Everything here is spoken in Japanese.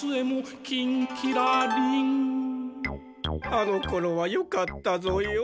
あのころはよかったぞよ。